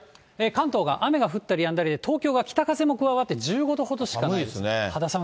関東が雨が降ったりやんだりで東京は北風も加わって１５度ほどしかありません。